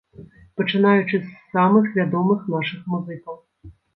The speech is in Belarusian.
Пачынаючы з самых вядомых нашых музыкаў.